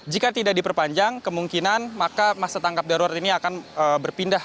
jika tidak diperpanjang kemungkinan maka masa tanggap darurat ini akan berpindah